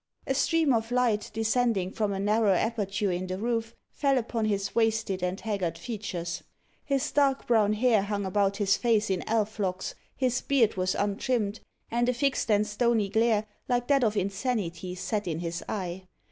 A stream of light, descending from a narrow aperture in the roof, fell upon his wasted and haggard features. His dark brown hair hung about his face in elf locks, his beard was untrimmed, and a fixed and stony glare like that of insanity sat in his eye.